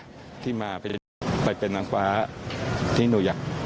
คุณพ่อของน้องจีบอกว่าที่บอกว่าพ่อของอีกคิวมาร่วมแสดงความอารัยในงานสวดศพของน้องจีด้วยคุณพ่อก็ไม่ทันเห็นนะครับ